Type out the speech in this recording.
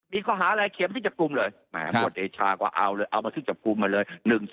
นี่เขาหาอะไรเขียนมาที่จับกลุ่มเลยหมวดเนชาก็เอามาที่จับกลุ่มมาเลย